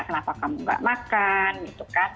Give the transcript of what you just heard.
kenapa kamu gak makan gitu kan